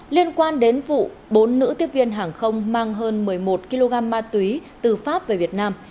liên quan đến vụ bốn nữ tiếp viên hàng không mang hơn một mươi một kg ma túy từ pháp về việt nam